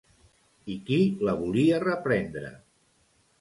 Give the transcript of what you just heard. I qui la volia reprendre?